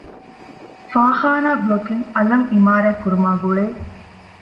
ފާޚާނާ ބްލޮކެއް އަލަށް އިމާރާތް ކުރުމާގުޅޭ